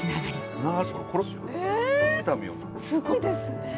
すごいですね！